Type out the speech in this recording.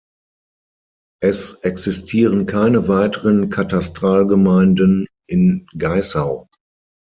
Es existieren keine weiteren Katastralgemeinden in Gaißau.